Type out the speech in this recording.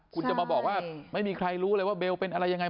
คุณจะมาบอกว่าไม่มีใครรู้เลยว่าเบลเป็นอะไรยังไง